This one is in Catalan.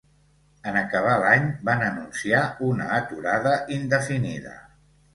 En acabar l'any, van anunciar una aturada indefinida.